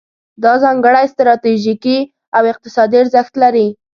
دا ځانګړی ستراتیژیکي او اقتصادي ارزښت لري.